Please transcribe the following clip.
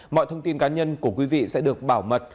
mọi thông tin cá nhân của quý vị sẽ được bảo mật